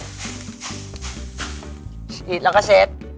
ฉีดแล้วก็เช็ด